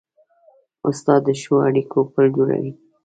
استاد د ښو اړیکو پل جوړوي.